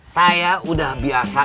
saya udah biasa